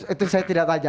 itu saya tidak tanya